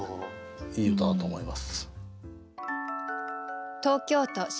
いい歌だと思います。